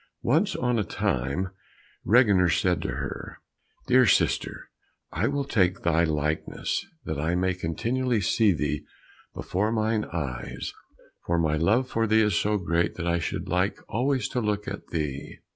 Once on a time Reginer said to her, "Dear sister, I will take thy likeness, that I may continually see thee before mine eyes, for my love for thee is so great that I should like always to look at thee."